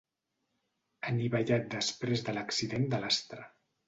Anivellat després de l'accident de l'Astra.